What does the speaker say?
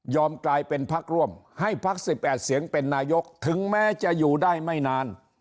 กลายเป็นพักร่วมให้พัก๑๘เสียงเป็นนายกถึงแม้จะอยู่ได้ไม่นาน